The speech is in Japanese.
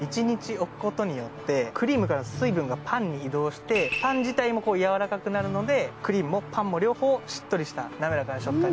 クリームから水分がパンに移動してパン自体もやわらかくなるのでクリームもパンも両方しっとりしたなめらかな食感に。